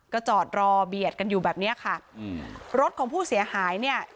ก็จอดรอเบียดกันอยู่แบบเนี้ยค่ะอืมรถของผู้เสียหายเนี่ย